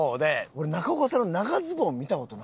俺中岡さんの長ズボンを見た事ないのよ。